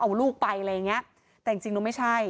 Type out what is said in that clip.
เอาลูกไปอะไรอย่างเงี้ยแต่จริงจริงแล้วไม่ใช่